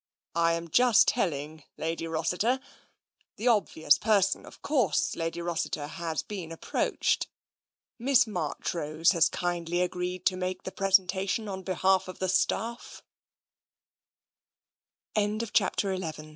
" I am just telling Lady Rossiter. The obvious person, of course. Lady Rossiter, has been approached. Miss Marchrose has kindly agreed to make the presentation on behalf of the